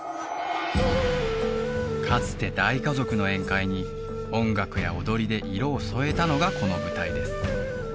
かつて大家族の宴会に音楽や踊りで色を添えたのがこの舞台です